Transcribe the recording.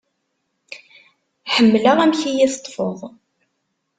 Ḥemmleɣ amek i yi-teṭfeḍ.